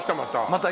また。